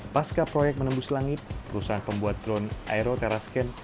pasca proyek menembus langit perusahaan pembuat drone aeroterascan